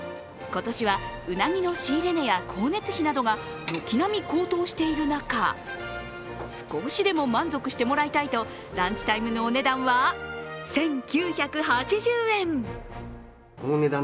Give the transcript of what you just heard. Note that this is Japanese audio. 今年はうなぎの仕入れ値や光熱費などが軒並み高騰している中少しでも満足してもらいたいとランチタイムのお値段は１９８０円。